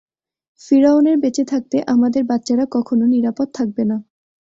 ফিওরনের বেঁচে থাকতে আমাদের বাচ্চারা কখনও নিরাপদ থাকবে না।